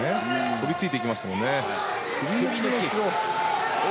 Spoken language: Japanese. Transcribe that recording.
飛びついていきましたね。